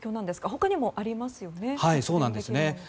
他にもありますよね。